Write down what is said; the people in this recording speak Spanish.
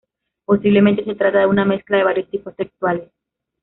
Posiblemente se trata de una mezcla de varios tipos textuales.